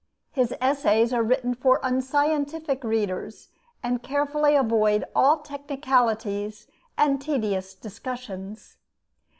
His essays are written for unscientific readers, and carefully avoid all technicalities and tedious discussions.